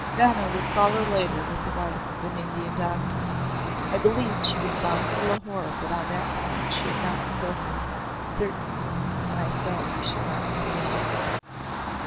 Vanna would follow later with the wife of an Indian doctor. I believed she was bound for Lahore but on that point she had not spoken certainly and I felt we should not meet again.